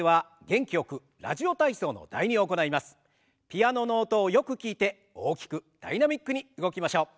ピアノの音をよく聞いて大きくダイナミックに動きましょう。